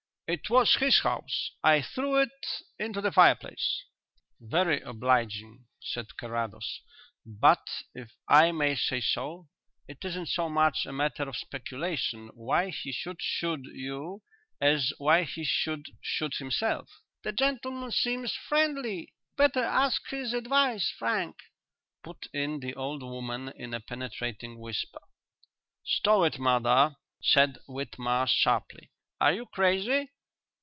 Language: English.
"It was his house. I threw it into the fireplace." "Very obliging," said Carrados. "But, if I may say so, it isn't so much a matter of speculation why he should shoot you as why he should shoot himself." "The gentleman seems friendly. Better ask his advice, Frank," put in the old woman in a penetrating whisper. "Stow it, mother!" said Whitmarsh sharply. "Are you crazy?